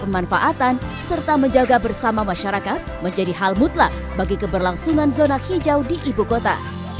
dengan manfaatan serta menjaga bersama masyarakat menjadi hal mutlak bagi keberlangsungan zona hijau di ibukota